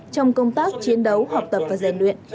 trong công tác chiến đấu học tập và rèn luyện